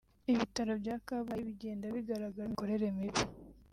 Ibitaro bya Kabgayi bigenda bigaragaramo imikorere mibi